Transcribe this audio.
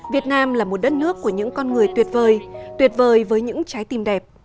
việt nam là một đất nước của những con người tuyệt vời tuyệt vời với những trái tim đẹp